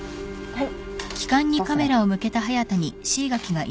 はい。